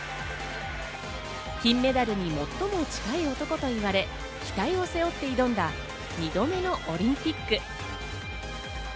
金メダルに最も近い男と言われ、期待を背負って挑んだ２度目のオリンピック。